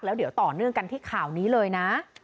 แล้วเดี๋ยวต่อเนื่องกันที่ข่าวนี้เลยนะ